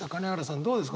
どうですか